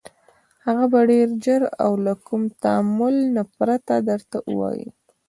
هغه به ډېر ژر او له كوم تأمل نه پرته درته ووايي: